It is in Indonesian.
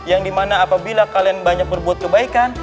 yang dimana apabila kalian banyak berbuat kebaikan